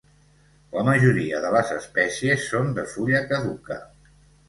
La majoria de les espècies són de fulla caduca.